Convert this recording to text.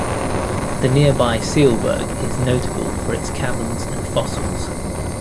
The nearby Sielberg is notable for its caverns and fossils.